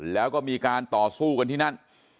แล้วก็มีการต่อสู้กันที่นั่น